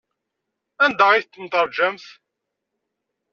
Anda ay ten-teṛjamt?